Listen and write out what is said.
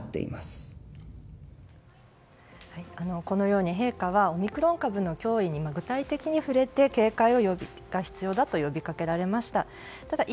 このように陛下はオミクロン株の脅威に具体的に触れて、警戒が必要だと呼び掛けられました。